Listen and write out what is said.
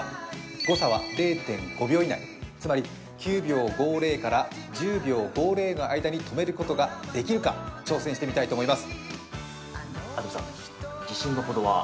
誤差は０．５秒以内、９秒５０から１０秒５０の間に止めることができるか挑戦してみたいと思います。